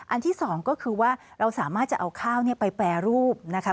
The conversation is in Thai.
ที่สองก็คือว่าเราสามารถจะเอาข้าวไปแปรรูปนะคะ